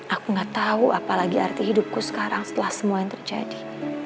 aku gak tahu apalagi arti hidupku sekarang setelah semua yang terjadi